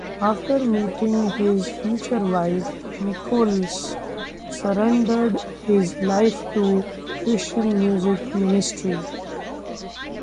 After meeting his future wife, Nichols surrendered his life to Christian music ministry.